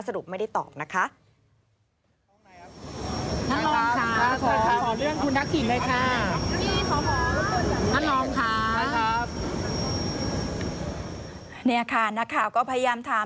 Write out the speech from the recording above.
สรุปไม่ได้ตอบนะคะ